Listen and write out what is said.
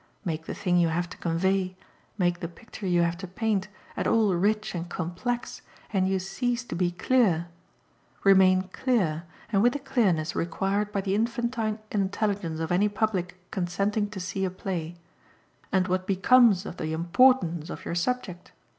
Make the thing you have to convey, make the picture you have to paint, at all rich and complex, and you cease to be clear. Remain clear and with the clearness required by the infantine intelligence of any public consenting to see a play and what becomes of the 'importance' of your subject?